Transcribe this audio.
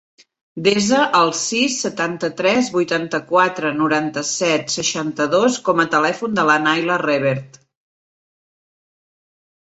Desa el sis, setanta-tres, vuitanta-quatre, noranta-set, seixanta-dos com a telèfon de la Nayla Revert.